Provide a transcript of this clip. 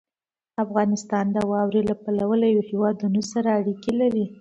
افغانستان د واورې له پلوه له هېوادونو سره اړیکې لري.